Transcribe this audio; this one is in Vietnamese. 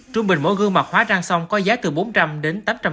trung bình mỗi gương mặt hóa trang xong có giá từ bốn trăm linh đến tám trăm linh